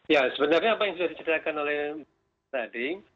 ya sebenarnya apa yang sudah diceritakan oleh tadi